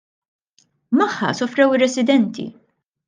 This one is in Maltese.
Magħha sofrew ir-residenti.